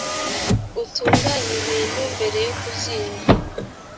utunganyibintubintu mbere yo kuzinga.